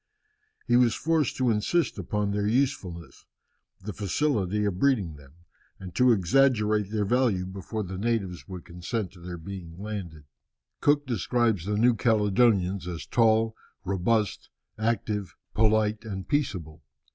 He was forced to insist upon their usefulness, the facility of breeding them, and to exaggerate their value before the natives would consent to their being landed. Cook describes the New Caledonians as tall, robust, active, polite, and peaceable.